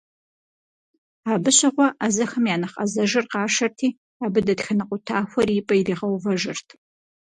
Абы щыгъуэ ӏэзэхэм я нэхъ ӏэзэжыр къашэрти, абы дэтхэнэ къутахуэри и пӏэ иригъэувэжырт.